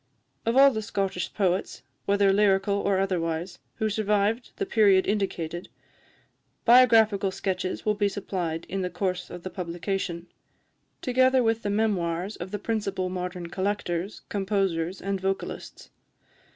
Of all the Scottish poets, whether lyrical or otherwise, who survived the period indicated, biographical sketches will be supplied in the course of the publication, together with memoirs of the principal modern collectors, composers and vocalists.